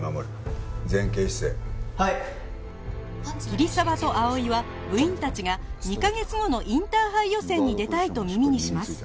桐沢と葵は部員たちが２カ月後のインターハイ予選に出たいと耳にします